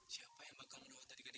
tapi fat kamu sabar